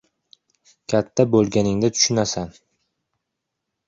— Katta bo‘lganingda tushunasan.